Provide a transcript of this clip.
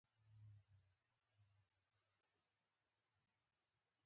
هغه ډوډۍ خوري.